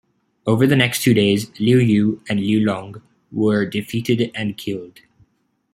Over the next two days, Liu Yu and Liu Long were defeated and killed.